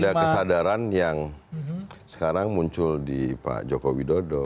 ada kesadaran yang sekarang muncul di pak jokowi dodo